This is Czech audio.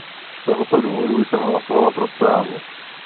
Z tohoto důvodu jsem hlasovala pro zprávu.